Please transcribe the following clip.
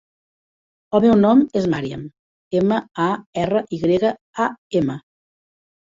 El meu nom és Maryam: ema, a, erra, i grega, a, ema.